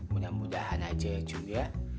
mudah mudahan aja ya jum ya